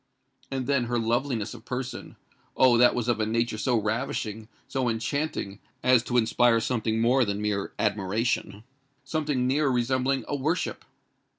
And then her loveliness of person—Oh! that was of a nature so ravishing, so enchanting, as to inspire something more than mere admiration—something nearer resembling a worship.